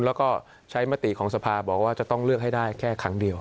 แล้วก็ใช้มติของสภาบอกว่าจะต้องเลือกให้ได้แค่ครั้งเดียว